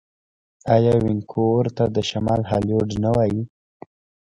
آیا وینکوور ته د شمال هالیوډ نه وايي؟